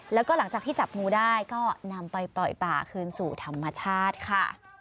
แล้วก็หลังจากที่จับงูได้ก็นำไปปล่อยป่าคืนสู่ธรรมชาติค่ะ